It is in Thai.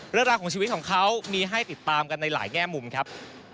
เรื่องราวของชีวิตของเขามีให้ติดตามกันในหลายแง่มุมครับ